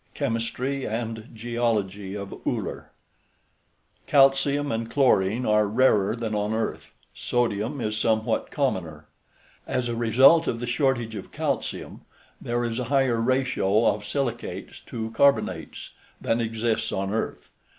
CHEMISTRY AND GEOLOGY OF ULLER Calcium and chlorine are rarer than on earth, sodium is somewhat commoner. As a result of the shortage of calcium there is a higher ration of silicates to carbonates than exists on earth.